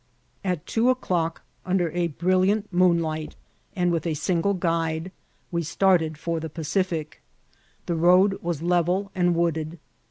At two o'clock, under a brilliant moonlight, and with a single guide, we started for the Pacific. The road was level and wooded.